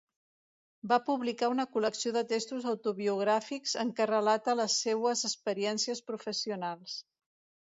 Va publicar una col·lecció de textos autobiogràfics en què relata les seues experiències professionals.